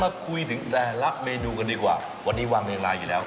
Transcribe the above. มาคุยถึงแต่ละเมนูกันดีกว่าวันนี้วางเรียงลายอยู่แล้ว